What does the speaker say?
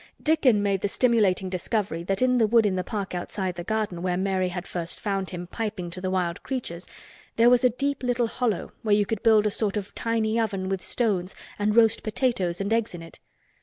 Dickon made the stimulating discovery that in the wood in the park outside the garden where Mary had first found him piping to the wild creatures there was a deep little hollow where you could build a sort of tiny oven with stones and roast potatoes and eggs in it.